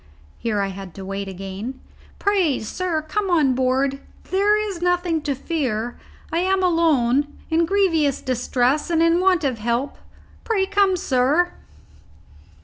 Here I had to wait again. "Pray, sir, come aboard. There is nothing to fear. I am alone in grievous distress, and in want of help. Pray come, sir!"